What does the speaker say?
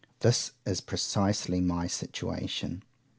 This is precisely my situation.